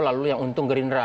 lalu yang untung gerindra